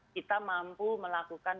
kita mampu melakukan